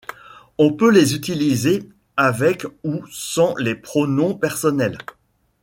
On peut les utiliser avec ou sans les pronoms personnels.